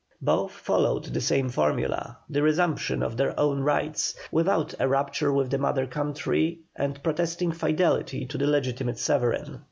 Both followed the same formula, the resumption of their own rights, without a rupture with the mother country and protesting fidelity to the legitimate sovereign.